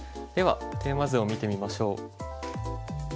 ではテーマ図を見てみましょう。